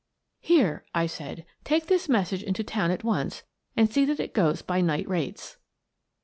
" Here," I said. " Take this message into town at once, and see that it goes by night rates."